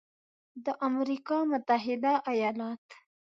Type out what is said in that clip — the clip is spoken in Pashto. د امریکا متحده ایالات